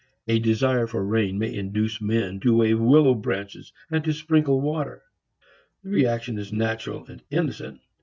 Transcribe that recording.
A desire for rain may induce men to wave willow branches and to sprinkle water. The reaction is natural and innocent.